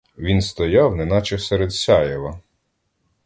Він стояв неначе серед сяєва.